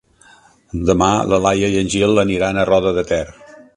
Demà na Laia i en Gil aniran a Roda de Ter.